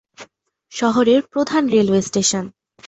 শহরের প্রধান railway station.